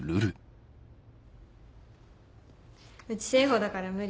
うち生保だから無理。